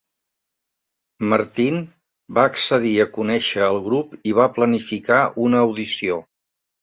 Martin va accedir a conèixer el grup i va planificar una audició.